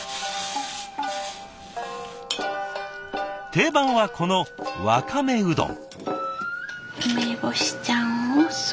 定番はこのわかめうどん。